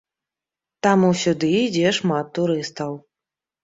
Таму сюды ідзе шмат турыстаў.